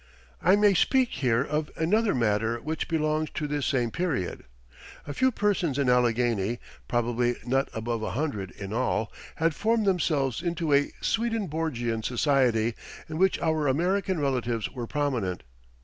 I may speak here of another matter which belongs to this same period. A few persons in Allegheny probably not above a hundred in all had formed themselves into a Swedenborgian Society, in which our American relatives were prominent.